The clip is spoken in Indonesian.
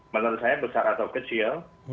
menurut saya besar atau kecil